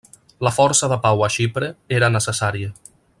La força de pau a Xipre era necessària.